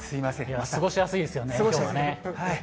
過ごしやすいですよね、きょうは。